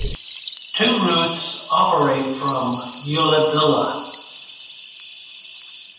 Two routes operate from Ulladulla.